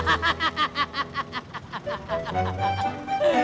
mah dick diri